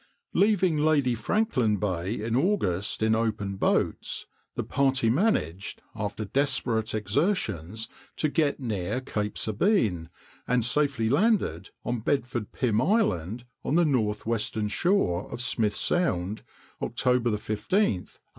Leaving Lady Franklin Bay in August in open boats, the party managed, after desperate exertions, to get near Cape Sabine, and safely landed on Bedford Pim Island, on the northwestern shore of Smith Sound, October 15, 1883.